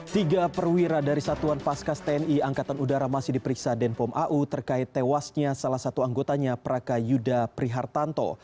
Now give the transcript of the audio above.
tiga perwira dari satuan paskas tni angkatan udara masih diperiksa denpom au terkait tewasnya salah satu anggotanya prakayuda prihartanto